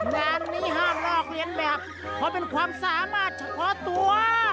งานนี้ห้ามลอกเรียนแบบเพราะเป็นความสามารถเฉพาะตัว